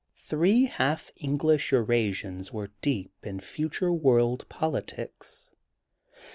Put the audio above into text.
Three half English Eurasians were deep in future world politics.